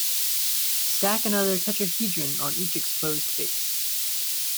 Stack another tetrahedron on each exposed face.